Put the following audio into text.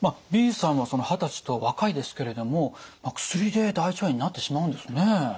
Ｂさんは二十歳と若いですけれども薬で大腸炎になってしまうんですね。